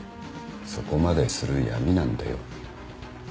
そこまでする闇なんだよ。